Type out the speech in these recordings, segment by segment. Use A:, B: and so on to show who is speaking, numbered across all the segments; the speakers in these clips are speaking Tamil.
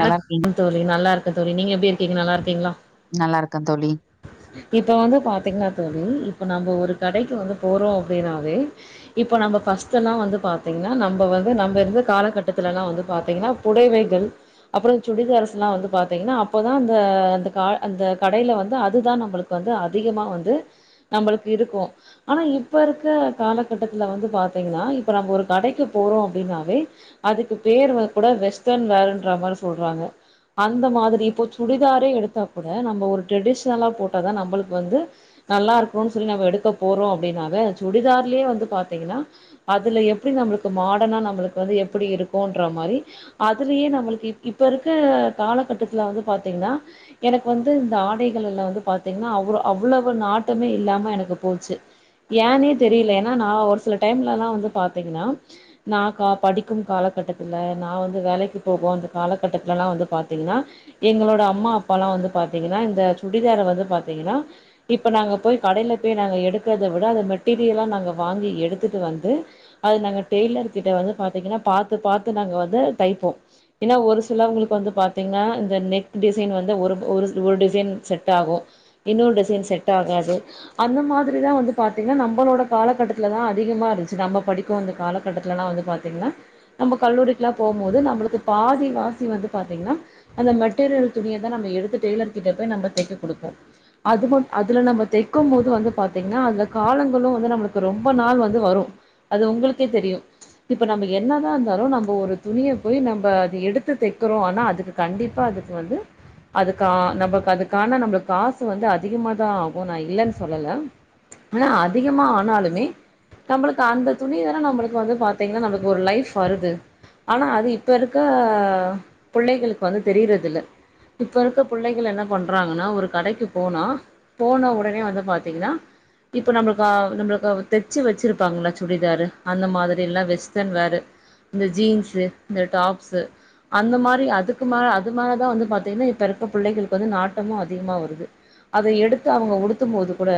A: நல்லா இருக்கீங்
B: கம் தோழி நல்லாருக்கே தோழி நீங்க எப்டி இருக்கீங்க நல்லாருக்கீங்ளா
A: நல்லாருக்கே தோழி
B: இப்ப வந்து பாத்தீங்ன்னா தோழி இப்ப நம்ம ஒரு கடைக்கு வந்து போறோ அப்டினாவே இப்போ நம்ப ஃபஸ்ட்டெலா வந்து பாத்தீங்ன்னா நம்ப வந்து நம்ப இருந்து காலகட்டத்துலல்லா வந்து பாத்தீங்ன்னா புடைவைகள் அப்றோ சுடிதார்ஸ் லா வந்து பாத்தீங்ன்னா அப்போதா அந்த அந்த க அந்த கடைல வந்து அதுதா நம்ளுக் கு வந்து அதிகமா வந்து நம்மளுக்கு இருக்கு ஆனா இப்பருக்க காலகட்டத்துல வந்து பாத்தீங்ன்னா இப்ப நம்ப ஒரு கடைக்கு போறோ அப்டினாவே அதுக்கு பேர் வந்து கூட வெஸ்டர்ன் வேர்ன்ற மாரி சொல்றாங்க அந்த மாதிரி இப்போ சுடிதாரே எடுத்தா கூட நம்ப ஒரு ட்ரெடிஷ்னலா போட்டாதா நம்பளுக்கு வந்து நல்லாருக்குன் சொல்லி நம்ப எடுக்க போறோ அப்டினாவே அந்த சுடிதார்லே வந்து பாத்தீங்கன்னா அதுல எப்டி நம்ளுக்கு மாடனா நம்ளுக்கு வந்து எப்டி இருக்குன்ற மாரி அதுலே நம்ளுக்கு இப்பருக்க காலகட்டத்துல வந்து பாத்தீங்னா எனக்கு வந்து இந்த ஆடைகளுல வந்து பாத்தீங்கன்னா அவ் அவ்வளவு நாட்டமே இல்லாம எனக்கு போச்சு ஏன்னே தெரியல ஏனா நா ஒரு சில டைம்லல்லா வந்து பாத்தீங்கனா நா கா படிக்கும் காலகட்டத்துல நா வந்து வேலைக்கு போ போந்து காலகட்டத்துலலா வந்து பாத்தீங்னா எங்களோட அம்மா அப்பால்லா வந்து பாத்தீங்கனா இந்த சுடிதார வந்து பாத்தீங்கனா இப்ப நாங்க போய் கடைல போய் நாங்க எடுக்கறத விட அத மெட்டீரியலா நாங்க வாங்கி எடுத்துட்டு வந்து அது நாங்க டெய்லர் கிட்ட வந்து பாத்தீங்கன்னா பாத்து பாத்து நாங்க வந்து தைப்போ ஏனா ஒரு சிலவங்களுக்கு வந்து பாத்தீங்கன்னா இந்த நெக் டிசைன் வந்து ஒரு ஒரு ஒரு டிசைன் செட் ஆகு இன்னொரு டிசைன் செட் ஆகாது அந்த மாதிரிதா வந்து பாத்தீங்கனா நம்மளோட காலகட்டத்துலதா அதிகமா இருந்துச்சு நம்ம படிக்க வந்த காலகட்டத்துலலா வந்து பாத் திங்னா நம்ம கல்லூரிக்காலா போம்போது நம்ளுக்கு பாதி வாசி வந்து பாத்தீங்னா அந்த மெட்டீரியல் துணியதா நம்ம எடுத்து டெய்லர் கிட்ட போய் நம்ம தைக்க குடுப்போ அது மட் அதுல நம்ம தக்கும் போது வந்து பாத்தீங்கனா அதுல காலங்களு வந்து நம்ளுக்கு ரொம்ப நாள் வந்து வரு அது உங்களுக்கே தெரியு இப்ப நம்ம என்னதா இருந்தாலு நம்ப ஒரு துணிய போய் நம் ப அது எடுத்து தக்கிறோ ஆனா அதுக்கு கண்டிப்பா அதுக்கு வந்து அதுக்கா நம்பக்கு அதுக்கான நம்பளு காசு வந்து அதிகமாதா ஆகு நா இல்லன்னு சொல்லல அனா அதிகமா ஆனாலுமே நம்ளுக்கு அந்த துணி தான நம்ளுக்கு வந்து பாத்தீங்ன்னா நம்ளுக்கு ஒரு லைஃப் வருது ஆனா அது இப்ப இருக்க புள்ளைகளுக்கு வந்து தெரிறது இல்ல இப்ப இருக்க புள்ளைகள் என்ன பண்றாங்கனா ஒரு கடைக்கு போனா போன உடனே வந்து பாத்தீங்கனா இப்ப நம்மளுகா நம்மளுக்கு தச்சு வச்சிருப்பாங்கள்ள சுடிதாரு அந்த மாதிரில்லா வெஸ்ட்டன் வேர் இந்த ஜீன்ஸு இந்த டாப்ஸு அந்த மாரி அதுக்கு மா அது மேலதா வந்து பாத்தீங்னா இப்ப இருக்க புள்ளைகளுக்கு வந்து நாட்டமு அதிகமா வருது அத எடுத்து அவங்க உடுத்தும்போது கூட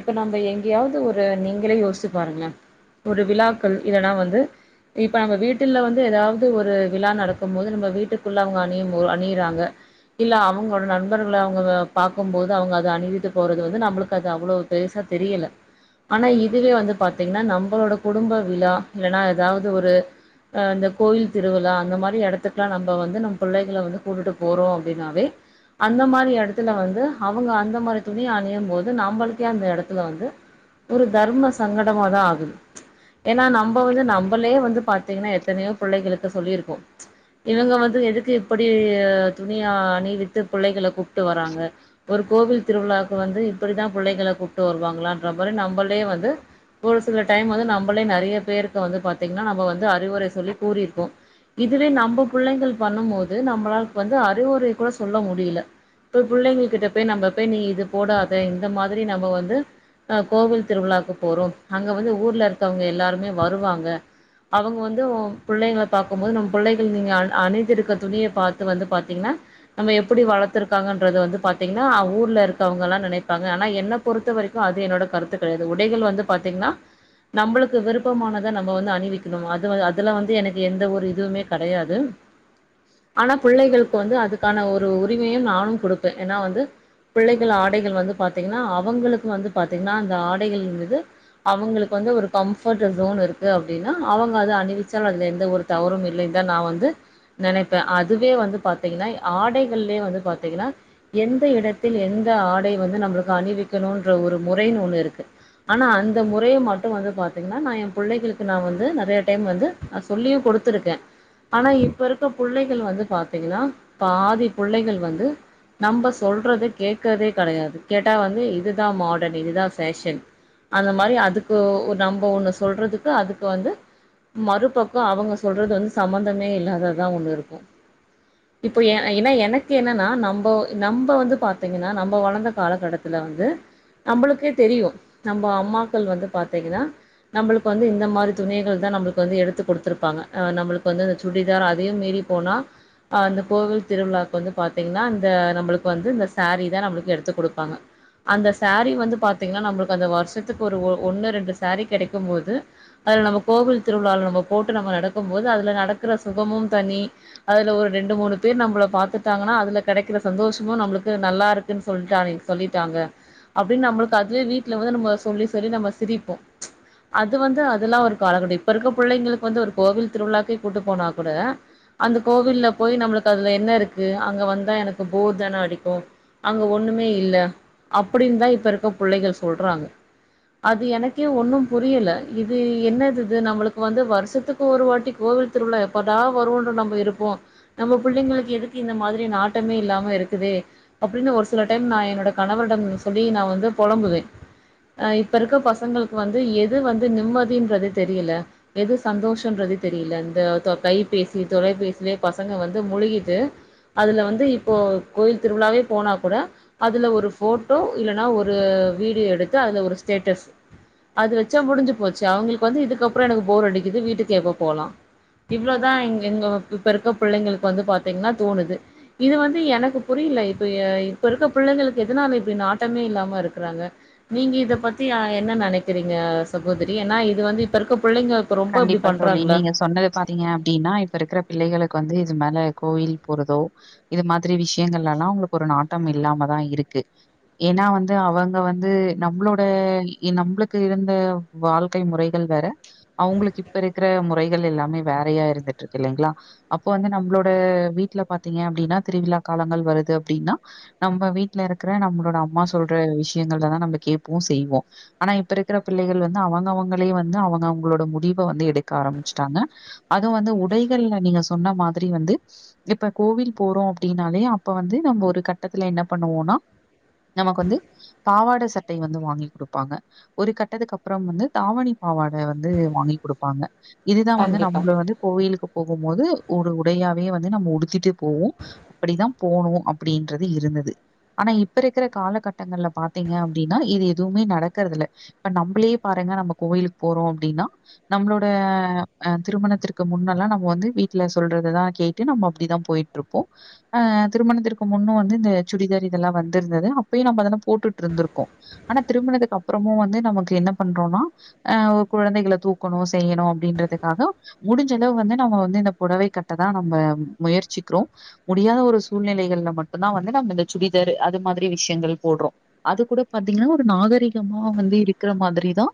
B: இப்ப நம்ப எங்கேயாவது ஒரு நீங்களே யோசிச்சு பாருங்கள ஒரு விழாக்கள் இல்லனா வந்து இப்ப நம்ம வீட்டில்ல வந்து எதாவ் து ஒரு விழா நடக்கும் போது நம்ம வீட்டுக்குள்ள அவங்க அணியும்போ அணியிறாங்க இல்ல அவங்ளோட நண்பர்கள அவங்க பாக்கும் போது அவங்க அத அணிவித்து போறது வந்து நம்ளுக்கு அது அவ்ளோ பெருசா தெரியல ஆனா இதுவே வந்து பாத்தீங்கன்னா நம்பளோட குடும்ப விழா இல்லனா எதாவ்து ஒரு ஆ அந்தக் கோயில் திருவிழா அந்த மாரி எடத்துக்கலா நம்ப வந்து நம் புள்ளைகள வந்து கூட்டுட்டு போறோ அப்டின்னாவே அந்த மாரி எடத்துல வந்து அவங்க அந்த மாரி துணிய அணியும் போது நம்மளுக்கே அந்த எடத்துல வந்து ஒரு தர்ம சங்கடமாதா ஆகுது ஏனா நம்ப வந்து நம்பளே வந்து பாத்தீங்கனா எத்தனையோ புள்ளைகளுக்கு சொல்லிருக்கோ இவங்க வந்து எதுக்கு இப்டி துணியா அணிவித்து புள்ளைகள கூப்ட்டு வராங்க ஒரு கோவில் திருவிழாவுக்கு வந்து இப்படித்தா புள்ளைகள கூப்ட்டு வருவாங்களான்ற மாரி நம்பளே வந்து ஒரு சில டைம் வந்து நம்பளே நெறைய பேருக்கு வந்து பாத்தீங்கனா நம்ம வந்து அறிவுரை சொல்லி கூறியிருக்கோ இதுவே நம்ப புள்ளைங்கள் பண்ணும் போது நம்பளாள்க்கு வந்து அறிவுரை கூட சொல்ல முடில இப்ப புள்ளைங்கள் கிட்ட பேய் நம்ப பேய் நீ இது போடாத இந்த மாதிரி நம்ப வந்து அ கோவில் திருவிழாவுக்கு போறோம் அங்க வந்து ஊர்ல இருக்கவுங்க எல்லாருமே வருவாங்க அவங்க வந்து ஒ புள்ளைங்கள பாக்கும் போது நம்ம புள்ளைகள் நீங்க அ அணிந்திருக்க துணிய பாத்து வந்து பாத்தீங்னா நம்ம எப்டி வளர்த்துக்காங்கன்றத வந்து பாத்தீங்கனா அ ஊர்ல இருக்கவங்கலா நெனப்பாங்க ஆனா என்ன பொறுத்த வரைக்கு அது என்னோட கருத்து கெடயாது உடைகள் வந்து பாத்தீங்கனா நம்பளுக்கு விருப்பமானத நம்ப வந்து அணிவிக்கணு அது அதுல வந்து இது எனக்கு எந்த ஒரு இதுவுமே கெடயாது ஆனா புள்ளைகள்க்கு வந்து அதுக்கான ஒரு உரிமையு நானு குடுப்பே ஏனா வந்து புள்ளைகள் ஆடைகள் வந்து பாத்தீங்கனா அவங்களுக்கு வந்து பாத்தீங்கன்னா அந்த ஆடைகளின் மீது அவங்களுக்கு வந்து ஒரு கம்ஃபர்ட்டு சோன் இருக்கு அப்படினா அவங்க அத அணிவிச் ச அதுல எந்த ஒரு தவறு இல்லை தா நா வந்து நெனப்பே அதுவே வந்து பாத்தீங்கனா ஆடைகள்லயே வந்து பாத்தீங்கனா எந்த இடத்தில் எந்த ஆடை வந்து நம்பளுக்கு அணிவிக்கணும்ன்ற ஒரு முறைன்னு ஒண்ணு இருக்கு ஆனா அந்த முறய மட்டு வந்து பாத்தீங்கன்னா நா எ புள்ளைகளுக்கு நா வந்து நெறய டைம் வந்து நா சொல்லியு குடுத்துருக்கே ஆனா இப்ப இருக்க புள்ளைகள் வந்து பாத்தீங்கன்னா பாதி புள்ளைகள் வந்து நம்ம சொல்றது கேக்றதே கெடையாது கேட்டா வந்து இதுதா மாடர்ன் இதுதா ஃபேஷன் அந்த மாரி அதுக்கு நம்ப ஒண்ணு சொல்றதுக்கு அதுக்கு வந்து மறுப் க்கோ அவங்க சொல்றது வந்து சம்பந்தமே இல்லாததா ஒண்ணு இருக்கு இப்போ எ எனக்கு என்னன்னா நம்போ நம்போ வந்து பாத்தீங்கன்னா நம்ம வளந்த காலகட்டத்துல வந்து நம்மளுக்கே தெரியு நம்ம அம்மாக்கள் வந்து பாத்தீங்கன்னா நம்மளுக்கு வந்து இந்த மாரி துணிகள் தா நம்ளுக்கு வந்து எடுத்து குடுத்துருப்பாங்க அ நம்மளுக்கு வந்து சுடிதார் அதையு மீறி போனா அ இந்த கோவில் திருவிழாக்கு வந்து பாத்தீங்கனா இந்த நம்மளுக்கு வந்து இந்த சாரீ தா நம்ளுக்கு எடுத்து குடுப்பாங்க அந்த சேரீ வந்து பாத்தீங்கன்னா நம்பளுக்கு அந்த வருஷத்துக்கு ஒரு ஒ ஒண்ணு ரெண்டு சேரீ கெடக்கும் போது அதுல நம்ப கோவில் திருவிழாவுல நம்ப போட்டு நம்ப நடக்கும் போது அதுல நடக்குற சுகமும் தனி அதுல ஒரு ரெண்டு மூணு பேர் நம்பள பாத்துட்டாங்கனா அதுல கெடக்கிற சந்தோஷமு நம்பளுக்கு நல்லாருக் குன் சொல்ட்டு அவங்க சொல்லிட்டாங்க அப்படினு நம்பளுக்கு அதுவே வீட்ல வந்து நம்ப சொல்லி சொல்லி நம்ம சிரிப்போ அது வந்து அதெல்லா ஒரு காலகட்ட இப்ப இருக்குற புள்ளைங்கள்க்கு வந்து ஒரு கோவில் திருவிழாவுக்கே கூட்டு போனா கூட அந்த கோவில்ல போய் நம்பளுக்கு அதுல என்ன இருக்கு அங்க வந்தா எனக்கு போர் தான அடிக்கு அங்க ஒண்ணுமே இல்ல அப்படின் தா இப்ப இருக்க புள்ளைகள் சொல்றாங்க அது எனக்கே ஒன்னும் புரியல இது என்னதிது நம்மளுக்கு வந்து வருஷ வர்சத்துக்கு ஒரு வாட்டி கோவில் திருவிழா எப்படா வருவன்னு நம்ம இருப்போ நம்ம புள்ளைங்களுக்கு எதுக்கு இந்த மாதிரி நாட்டமே இல்லாம இருக்குதே அப்படின்னு ஒரு சில டைம் நா என்னோட கணவரிடம் சொல்லி நா வந்து பொழம்புவே ஆ இப்ப இருக்க பசங்களுக்கு வந்து எது வந்து நிம்மதின்றதே தெரியல எது சந்தோஷன்றதே தெரியல இந்தத் தொ கைபேசி தொலைபேசியிலயே பசங்க வந்து முழுகிட்டு அதுல வந்து இப்போ கோயில் திருவிலாவே போனா கூட அதுல ஒரு போட்டோ இல்லன்னா ஒரு வீடியோ எடுத்து அதுல ஒரு ஸ்டேட்டஸ் அது வச்சா முடிஞ்சு போச்சு அவங்களுக்கு வந்து இதுக்கப்பறோ எனக்கு போர் அடிக்குது வீட்டுக்கு எப்ப போலா இவ்ளதா இங்கங்க இப்ப இருக்க புள்ளைங்களுக்கு வந்து பாத்தீங்னா தோணுது இது வந்து எனக்கு புரியல இப்ப இப்ப இருக்க புள்ளைங்களுக்கு எதனால இப்ப நாட்டமே இல்லாம இருக்கறாங்க நீங்க இத பத்தி என்ன நெனைக்கிறீங்க சகோதரி ஏன்னா இது வந்து இப்ப இருக்க புள்ளைங்க ரொம்ப இப்டி
A: கண்டிப்பா தோழி
B: பண்றாங்களா
A: நீங்க சொன்னது பாத்தீங்க அப்படின்னா இப்ப இருக்கிற பிள்ளைகளுக்கு வந்து இது மேல கோயில் போறதோ இது மாதிரி விஷயங்கள்லல்லா உங்களுக்கு ஒரு நாட்டம் இல்லாமதா இருக்கு ஏன்னா வந்து அவங்க வந்து நம்மளோடா நம்மளுக்கு இருந்த வாழ்க்கை முறைகள் வேற அவங்களுக்கு இப்ப இருக்கிற முறைகள் எல்லாமே வேறையா இருந்துட்ருக்கு இல்லைங்களா அப்போ வந்து நம்மளோட வீட்ல பாத்தீங்க அப்டின்னா திருவிழா காலங்கள் வருது அப்டின்னா நம்ப வீட்ல இருக்கிற நம்மளோட அம்மா சொல்ற விஷியங்கள தா நம்ப கேப்போ செய்வோ ஆனா இப்ப இருக்கிற பிள்ளைகள் வந்து அவங்க அவங்களே வந்து அவங்க உங்ளோட முடிவ வந்து எடுக்க ஆரம்பிச்சிட்டாங்க அது வந்து உடைகள்ல நீங்க சொன்ன மாதிரி வந்து இப்ப கோவில் போறோ அப்டின்னாலே அப்ப வந்து நம்ப ஒரு கட்டத்துல என்ன பண்ணுவோனா நமக் வந்து பாவாட சட்டை வந்து வாங்கி குடுப்பாங்க ஒரு கட்டதுக்கு அப்றோ வந்து தாவணி பாவாட வந் து வாங்கி குடுப்பாங்க இதுதா வந்து
B: கண்டிப்பா
A: நம்பள வந்து கோவிலுக்கு போகு மோது ஓரு உடயாவே வந்து நம்ப உடுத்திட்டு போவோ இப்டிதா போனு அப்டின்றது இருந்தது ஆனா இப்பருக்குற காலகட்டங்கல்ல பாத்திங்க அப்டின்னா இது எதுவுமே நடக்கற்தில்ல இப்ப நம்பளயே பாருங்க நம்ப கோயிலுக் போறோ அப்டின்னா நம்பளோட அ திருமணத்திற்க்கு முன்னல்லா நம் வந்து வீட்ல சொல்றத தா கேட்டு நம்ப அப்டிதா போய்ட் ட்ருப்போ அ திருமணத்திற்க்கு முன்ன வந்து இந்த சுடிதார் இதெல்லா வந்திருந்தது அப்பியு நம்ப அதெல்லா போட்டுட்ருந்துருக்கோ ஆனா திருமணத்துக் அப்புறமு வந்து நமக்கு என்ன பண்றோனா அ கொழந்தைகள தூக்கணு செய்யணு அப்டின்றதுக்காக முடிஞ்சளவு வந்து நம்ம வந்து இந்த பொடவை கட்டதா நம்ப முயற்ச்சிக்றோ முடியாத ஒரு சூழ்நிலைகள்ல மட்டுந்தா வந்து நம்ப இந்த சுடிதாரு அது மாதிரி விஷ்யங்கள் போட்றோ அது கூட பாத்திங்னா ஒரு நாகரீகமா வந்து இருக்ற மாதிரி தா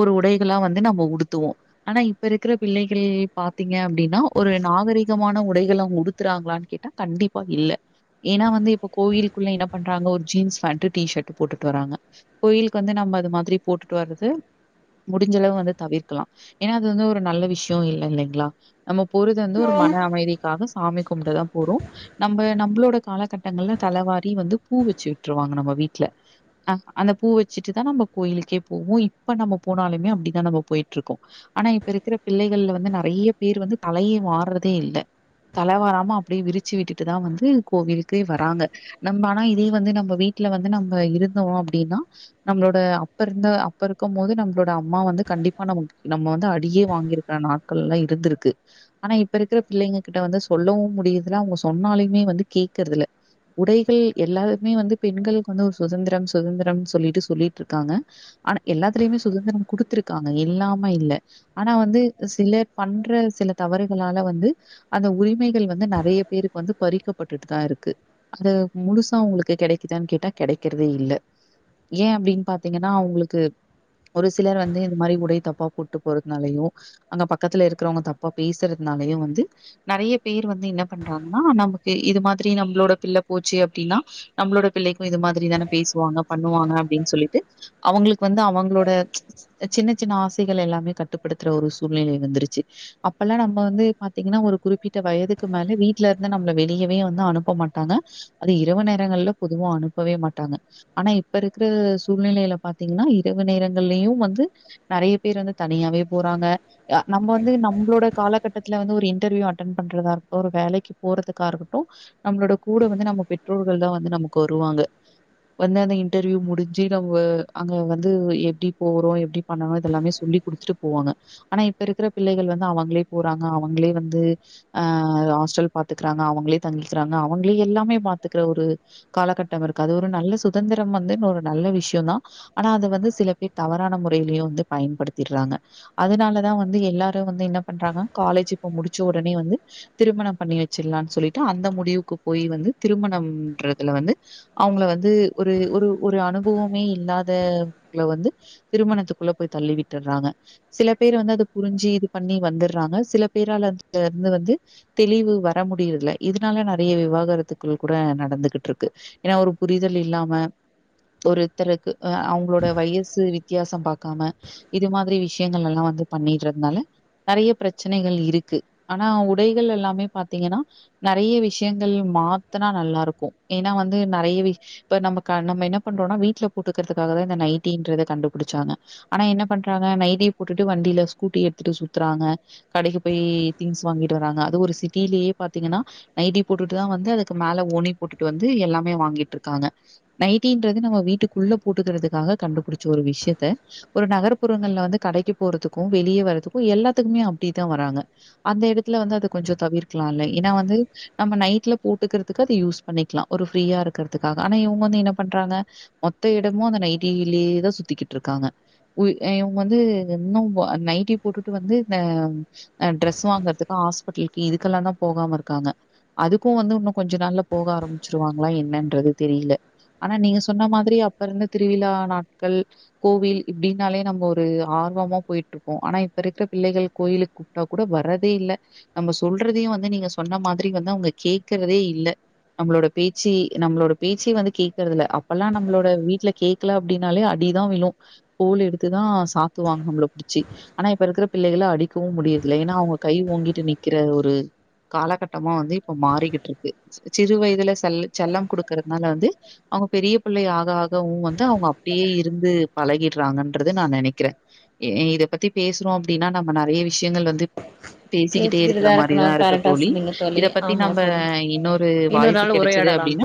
A: ஒரு உடை இதெல்லா வந்து நம்ப உடுத்துவோ ஆனா இப்பருக்கிற பிள்ளைகள் பாத்தீங்க அப்டின்னா ஒரு நாகரீகமான உடைகள் அவுங் உடுத்துறாங்ளான் கேட் ட கண்டிப்பா இல்ல ஏன்னா வந்து இப்போ கோயில்க்குள்ள என்ன பண்றாங்க ஒரு ஜீன்ஸ் பேண்ட் டீஷர்ட் போட்டுட்டு வராங்க கோய்லுக் வந்து நம்ம அது மாதிரி போட்டுட்டு வர்ரது முடிஞ்சளவு வந்து தவிர்க்கலா ஏனா அது வந்து ஒரு நல்ல விஷ்யோ இல்ல இல்லைங்ளா நம்ப போறதா இந்தா ஒரு மன அமைதிக்காக சாமி கும்டதா போறோ நம்ப நம்பளோட காலக்கட்டங்கல்ல தல வாரி வந்து பூ வெச்சு விட்டுருவாங்க நம்ப வீட்ல அ அந்த பூ வெச்சிட்டு தா நம்ப கோயிலுக்கே போவோ இப்ப நம்ப போனாலுமே அப்டிதா நம்ப போய்ட்ருக்கோ ஆனா இப்பருக்கற பிள்ளைகல்ல வந்து நெறய பேரு வந்து தலய வார்றதே இல்ல தல வாராம அப்டியே விரிச்சி விட்டுட்டுதா வந்து கோவிலுக்கே வராங்க நம்ப ஆனா இதே வந்து நம்ப வீட்ல வந்து நம்ப இருந்தோ அப்டின்னா நம்ளோட அப்பருந்த அப்பருக்கு மோது நம்ளோட அம்மா வந்து கண்டிப்பா நமக்கு நம்ம வந்து அடியே வாங்கிருக்ற நாட்கல்லா இருந்துருக்கு ஆனா இப்பருக்கிற பிள்ளைங்க கிட்ட வந்து சொல்லவு முடியற்தில்ல அவுங்க சொன்னாலயுமே வந்து கேக்கற்தில்ல உடைகள் எல்லாற்மே வந்து பெண்கள்க் வந்து ஒரு சுதந்தரம் சுதந்தரம் சொல்லிட்டு சொல்லிட்ருக்காங்க ஆனா எல்லாத்திலியுமே சுதந்திர குடுத்துருக்காங்க இல்லாம இல்ல ஆனா வந்து சிலர் பண்ற சில தவறுகளால வந்து அந்த உரிமைகள் வந்து நெறைய பேருக்கு வந்து பறிக்கப்பட்டுட்டு தா இருக்கு அது முழுசா உங்ளுக் கெடைக்குதான் கேட்டா கெடைக்றது இல்ல ஏ அப்டின் பாத்தீங்கன்னா அவுங்ளுக்கு ஒரு சிலர் வந்து இந்த மாரி உடை தப்பா போட்டு போறத்னாலயு அங்க பக்கத்ல இருக்கறவங்க தப்பா பேசுறத்னாலயு வந்து நெறைய பேர் வந்து இன்ன பண்றாங்கனா நமக் இது மாதிரி நம்ளோட பிள்ள போச்சி அப்டின்னா நம்ளோட பிள்ளைக்கு இது மாதிரி தான பேசுவாங்க பண்ணுவாங்க அப்டின் சொல்லிட்டு அவுங்ளுக் வந்து அவங்ளோட் த சின்ன சின்ன ஆசைகள் எல்லாமே கட்டுப்படுத்தற ஒரு சூழ்நிலை வந்திருச்சி அப்பெல்லா நம்ம வந்து பாத்தீங்ன்னா ஒரு குறிப்பிட்ட வயதுக் மேல வீட்ல இருந்து நம்மள வெளியவே வந்து அனுப்ப மாட்டாங்க அது இரவு நேரங்கள்ல பொதுவா அனுப்பவே மாட்டாங்க ஆனா இப்ப இருக்கிற சூழ்நிலைல பாத்தீங்ன்னா இரவு நேரங்கள்லயு வந்து நெறைய பேர் வந்து தனியாவே போறாங்க ஆ நம்ம வந்து நம்ளோட காலகட்டத்தில வந்து ஒரு இன்டர்வியூ அட்டன் பண்றதா இருக்கட்டு ஒரு வேலைக்கு போறதா இருக்கட்டு நம்ளோட கூட வந்து நம்ம பெற்றோர்கள் தா வந்து நமக்கு வருவாங்க வந்து அந்த இன்டர்வியூ முடிஞ்சி நம்ம அங்க வந்து எப் எப்டி போறோ எப்டி பண்ணணு இது எல்லாமே சொல்லி குடுத்துட்டு போவாங்க ஆனா இப்ப இருக்கிற பிள்ளைக வந்து அவங்களே போறாங்க அவங்களே வந்து ஆ ஹாஸ்ட்டல் பாத்துக்கறாங்க அவங்களே தங்கிக்கிறாங்க அவங்களே எல்லாமே பாத்துக்கிற ஒரு காலகட்டம் இருக்கு அது ஒரு நல்ல சுதந்திரம் வந்து இன்னொரு நல்ல விஷ்யோந்தா ஆனா அது வந்து சில தவறான முறைலியு வந்து பயன்படுத்திறாங்க அதனாலதா வந்து எல்லாரு வந்து என்ன பண்றாங்க காலேஜ் இப்ப முடிச்ச ஒடனே வந்து திருமணம் பண்ணி வெச்சிட்லான்னு சொல்லிட்டு அந்த முடிவுக்கு போய் வந்து திருமணம்ன்றதுல வந்து அவங்கள வந்து ஒரு ஒரு ஒரு அனுபவமே இல்லாதவங்கல வந்து திருமணத்துகுள்ள போய் தள்ளி விட்டுறாங்க சில பேர் வந்து அது புரிஞ்சு இது பண்ணி வந்துறாங்க சில பேரால அதுல இருந்து வந்து தெளிவு வர முடியுறல இல்ல இதுனால நெறய விவாகரத்துகள் கூட நடந்துகுட்டிருக்கு ஏன்னா ஒரு புரிதல் இல்லாம ஒருத்தருக்கு அ அவங்ளோட வயசு து வித்தியாசம் பாக்காம இது மாதிரி விஷயங்கள் எல்லா வந்து பண்ணிட்றதுனால நெறைய பிரச்சனைகள் இருக்கு ஆனா உடைகள் எல்லாமே பாத்தீங்கன்னா நெறைய விஷயங்கள் மாத்னா நல்லாருக்கு ஏன்னா வந்து நெறைய விஷ் இப்ப நம்ம க என்ன பண்றோன்னா வீட்ல போட்டுக்கறதுக்காக தா இந்த நைட்டன்றது கண்டு புடிச்சாங்க ஆனா என்ன பண்றாங்க நைட்டிய போட்டுட்டு வண்டில ஸ்கூட்டி எடுத்துட்டு சுத்துறாங்க கடைக்கு போயி தீங்ஸ் வாங்கிட்டு வராங்க அது ஒரு சிட்டிலியே பாத்தீங்கன்னா நைட்டி போட்டுட்டுதா வந்து அதுக்கு மேல ஓனி போட்டுட்டு வந்து எல்லாமே வாங்கிட்டு இருக்காங்க நைட்டீன்றது நம்ம வீட்டுக்குள்ள போட்டுக்கறதுக்காக கண்டுபுடிச்ச ஒரு விஷயத்த ஒரு நகர்புறங்கள்ல வந்து கடைக்கு போறதுக்கு வெளியே வர்துக்கு எல்லாத்துக்குமே அப்டித்தா வராங்க அந்த எடத்துல வந்து அது கொஞ்சோ தவிர்க்கலாலே ஏன்னா வந்து நம்ம நைட்ல போட்டுக்கறதுக்கு அத யூஸ் பண்ணிக்கலா ஒரு ஃப்ரீயா இருக்கறதுக்காக ஆனா இவங்க வந்து என்ன பண்றாங்க மொத்த எடமு அந்த நைட்டிலியே தா சுத்திக்கிட்டு இருக்காங்க உய் இவங்க வந்து இன்னு நைட்டி போட்டுட்டு வந்து இந்த ஆ டிரஸ் வாங்கறதுக்கு ஹாஸ்பிட்டலுக்கு இதுக்கெல்லா தா போகாம இருக்காங்க அதுக்கு வந்து இன்னு கொஞ்ச நாள்ல போக ஆரம்பிச்சிருவாங்களா என்னன்றது தெரில ஆனா நீங்க சொன்ன மாதிரி அப்ப இருந்த திருவிழா நாட்கள் கோவில் இப்டினாலே நம்ப ஒரு ஆர்வமா போயிட்டிருப்போ ஆனா இப்ப இருக்க பிள்ளைகள் கோயிலுக் கூப்ட்டா கூட வறதே இல்ல நம்ப சொல்றதையு வந்து நீங்க சொன்ன மாதிரி வந்து அவுங்க கேக்கறதே இல்ல நம்ளோட பேச்சு நம்ளோட பேச்சி வந்து கேக்கறதுல அப்பெல்லா நம்ளோட வீட்ல கேக்ல அப்டி னாலே அடிதா விழு கோல் எடுத்துதா சாத்துவாங்க நம்ள புடிச்சி ஆனா இப்ப இருக்குற பிள்ளைகள அடிக்வு முடியறதுல ஏன்னா அவுங்க கை ஓங்கிட்டு நிக்கிற ஒரு காலகட்டமா வந்து இப்ப மாறிக்கிட்ருக்கு சிறு வயதுல செல்ல செல்லம் குடுக்கறதுனால வந்து அவுங்க பெரிய பிள்ளை ஆக ஆகவு வந்து அவுங்க அப் டியே இருந்து பழகிட்றாங்கன்றத நா நெனக்கிற இ இத பத்தி பேசுறோ அப்டினா நம்ம நெறய விஷயங்கள் வந்து பேசிகிட்டே இருக்கற
B: பேசிக்கிட்டுதா இருக்கணு
A: மாரிதா இருக்கு
B: கரெக்டா
A: தோழி
B: சொன்னீங்க
A: இத
B: தோழி
A: பத்தி
B: ஆமா
A: நம்ப
B: சொல்லு
A: இன்னொரு
B: இன்னொரு
A: வாய்ப்பு
B: நாள்
A: கிடச்சுது
B: உரையாடலாம்
A: அப்டினா
B: தோழி